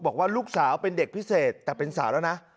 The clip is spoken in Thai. บอกว่าลูกสาวเป็นเด็กพิเศษแต่เป็นสาวแล้วนะ